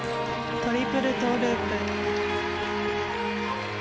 トリプルトーループ。